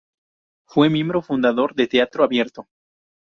Fue miembro fundador de Teatro Abierto.